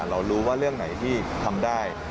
เรารู้ว่าเรื่องไหนที่ทำได้